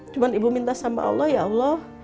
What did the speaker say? cuma ibu minta sama allah ya allah